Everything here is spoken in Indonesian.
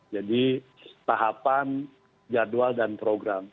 jadi tahapan jadwal dan program